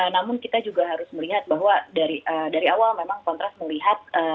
namun kita juga harus melihat bahwa dari awal memang kontras melihat